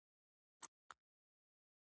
رڼا هر سهار د قران کریم تلاوت کوي.